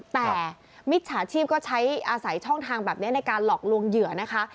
แต่มิจฉาชีพก็ใช้อาศัยช่องทางแบบนี้ในการหลอกลวงเหยื่อนะคะ